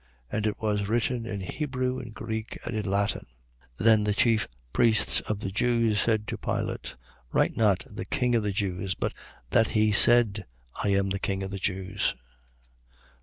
And it was written in Hebrew, in Greek, and in Latin. 19:21. Then the chief priests of the Jews said to Pilate: Write not: The King of the Jews. But that he said: I am the King of the Jews.